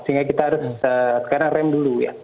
sehingga kita harus sekarang rem dulu ya